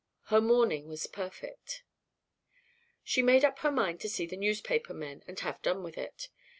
Her mourning was perfect. She made up her mind to see the newspaper men and have done with it.